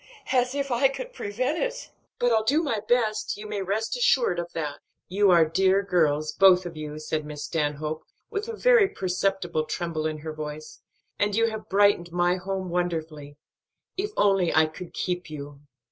"As if I could prevent it! But I'll do my best; you may rest assured of that." "You are dear girls, both of you," said Miss Stanhope with a very perceptible tremble in her voice, "and you have brightened my home wonderfully; if I could only keep you!"